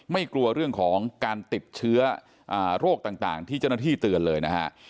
ไม่กลัวเรื่องของการติดเชื้อโรคต่างที่เจ้าหน้าที่เตือนเลยนะฮะ